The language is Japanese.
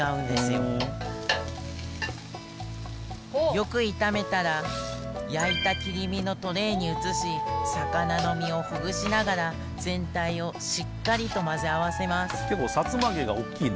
よく炒めたら焼いた切り身のトレイに移し魚の身をほぐしながら全体をしっかりと混ぜ合わせます結構さつま揚げが大きいね。